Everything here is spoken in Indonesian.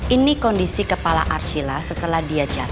ini kondisi kepala arshila setelah dia jatuh